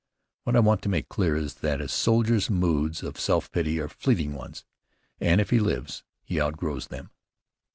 What I want to make clear is, that a soldier's moods of self pity are fleeting ones, and if he lives, he outgrows them.